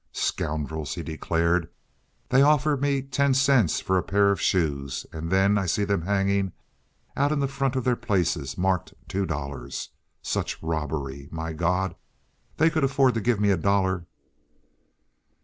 "Scoundrels!" he declared. "They offer me ten cents for a pair of shoes, and then I see them hanging out in front of their places marked two dollars. Such robbery! My God! They could afford to give me a dollar."